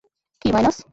কি, মাইনাস?